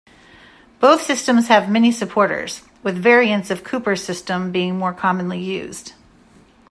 Both systems have many supporters, with variants of Cooper's system being more commonly used.